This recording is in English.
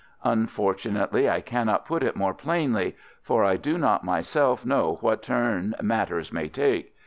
"Unfortunately I cannot put it more plainly, for I do not myself know what turn matters may take.